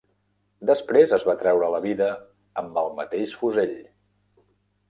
Després es va treure la vida amb el mateix fusell.